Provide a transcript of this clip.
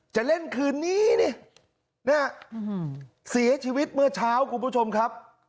จะเล่นคืนนี้นี่เสียชีวิตเมื่อเช้าคุณผู้ชมครับ